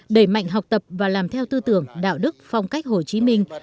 đẩy mạnh học tập và làm theo tư tưởng đạo đức phong cách hồ chí minh